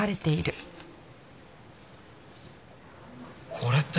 これって。